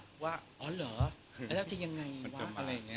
เตรียมใจรับว่าอ๋อเหรอแล้วจะยังไงวะ